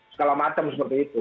segala macam seperti itu